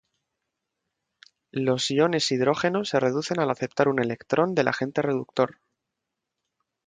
Los iones hidrógeno se reducen al aceptar un electrón del agente reductor.